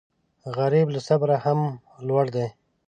غریب له صبره هم لوړ دی